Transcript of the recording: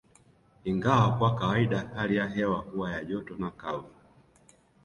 Ingawa kwa kawaida hali ya hewa huwa ya joto na kavu